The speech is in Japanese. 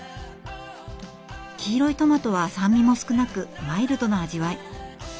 黄色いトマトは酸味も少なくマイルドな味わい。